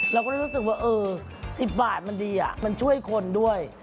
เราก็เลยรู้สึกว่า๑๐บาทมันดีมันช่วยคนด้วย